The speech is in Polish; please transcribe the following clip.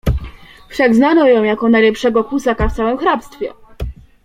"Wszak znano ją jako najlepszego kłusaka w całem hrabstwie."